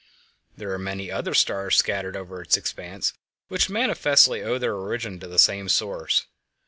There are many other stars scattered over its expanse which manifestly owe their origin to the same source.